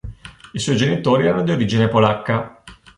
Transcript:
I suoi genitori erano di origine polacca.